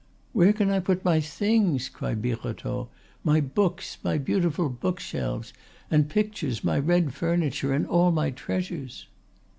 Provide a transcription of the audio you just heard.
"Where can I put my things?" cried Birotteau; "my books, my beautiful book shelves, and pictures, my red furniture, and all my treasures?"